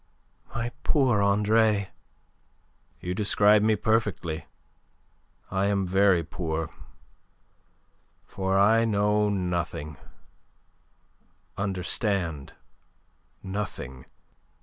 "My poor Andre!" "You describe me perfectly. I am very poor for I know nothing, understand nothing.